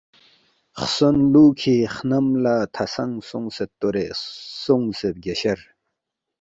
خسون لوکھی خم لا تھہ سنگ سونگسید تورے سونگسے بگیاشر